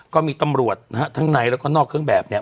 ก็มีตำรวจนะฮะทั้งในแล้วก็นอกเครื่องแบบเนี่ย